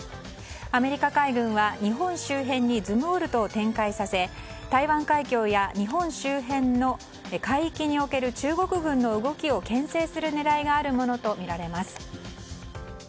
アメリカ海軍は日本周辺に「ズムウォルト」を展開させ台湾海峡や日本周辺の海域における中国軍の動きを牽制する狙いがあるものとみられます。